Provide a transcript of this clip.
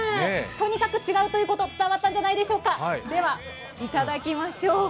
とにかく違うということ伝わったんじゃないでしょうかでは、いただきましょう。